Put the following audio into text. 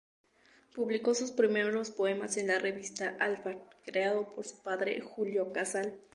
Publicó sus primeros poemas en la Revista Alfar, creada por su padre Julio Casal.